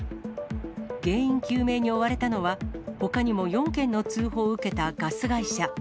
原因究明に追われたのは、ほかにも４件の通報を受けたガス会社。